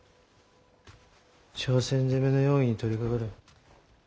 朝鮮攻めの用意に取りかかれ。